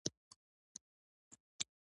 کور دې ودان؛ زه ولاړم.